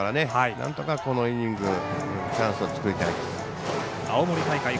なんとか、このイニングチャンスを作りたいです。